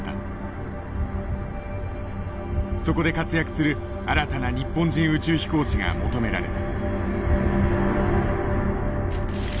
そこで活躍する新たな日本人宇宙飛行士が求められた。